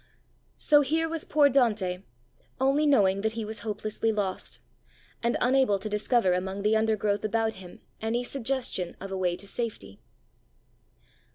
So here was poor Dante, only knowing that he was hopelessly lost; and unable to discover among the undergrowth about him any suggestion of a way to safety.